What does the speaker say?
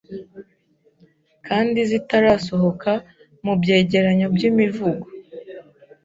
kandi zitarasohoka mu byegeranyo by'imivugo